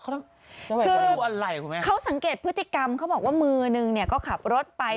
คืออะไรคุณแม่เขาสังเกตพฤติกรรมเขาบอกว่ามือนึงเนี่ยก็ขับรถไป